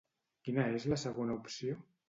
Quina és la segona opció?